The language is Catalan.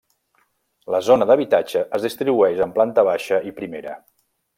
La zona d'habitatge es distribueix en planta baixa i primera.